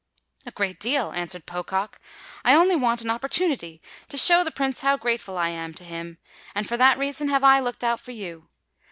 "A great deal," answered Pocock. "I only want an opportunity to show the Prince how grateful I am to him; and for that reason have I looked out for you.